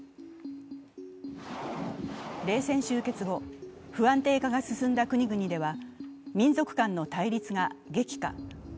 冷戦終結後、不安定化が進んだ国々では民族間の対立が激化。